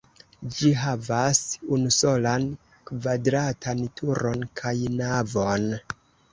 Ĝi havas unusolan kvadratan turon kaj navon.